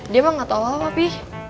dia mah gak tau lho papi